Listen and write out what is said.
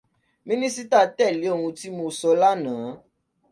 Mínísítà tẹ̀lé oun tí mo sọ lánàá.